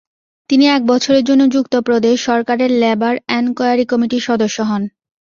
তিনি এক বছরের জন্য যুক্তপ্রদেশ সরকারের লেবার এনকোয়ারি কমিটির সদস্য হন।